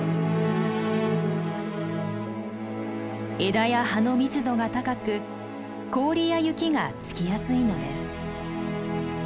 枝や葉の密度が高く氷や雪が付きやすいのです。